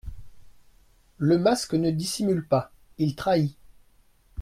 Le masque ne dissimule pas, il trahit.